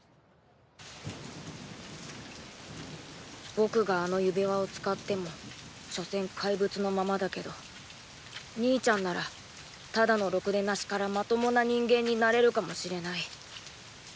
僕があの指輪を使っても所詮怪物のままだけど兄ちゃんならただのロクデナシからまともな人間になれるかもしれない。